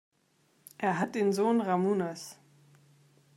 Er hat den Sohn Ramūnas.